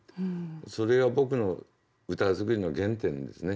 それが僕の歌作りの原点ですね。